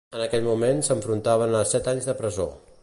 En aquell moment s'enfrontaven a set anys de presó.